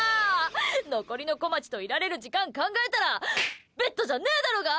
残りのこまちといられる時間考えたらベッドじゃねーだろうが！